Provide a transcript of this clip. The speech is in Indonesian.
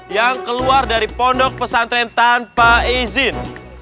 yang keluar dari pondok pesantren tanpa izin